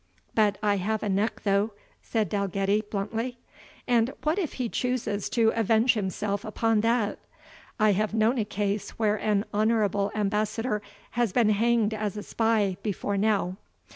"But I have a neck though," said Dalgetty, bluntly; "and what if he chooses to avenge himself upon that? I have known a case where an honourable ambassador has been hanged as a spy before now.